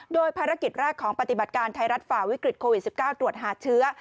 โดยภารกิจแรกของปฏิบัติการไทยรัฐฝ่าวิกฤตโควิด๑๙ตรวจหาเชื้อ